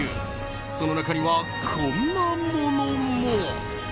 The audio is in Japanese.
その中には、こんなものも。